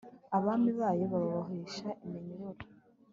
abami bayo bababoheshe iminyururu